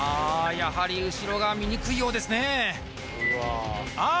やはり後ろが見にくいようですねあっ！